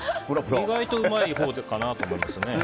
意外とうまいほうかなと思います。